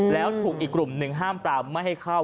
แล้วถูกอีกกลุ่มหนึ่งห้ามปรามไม่ให้เข้า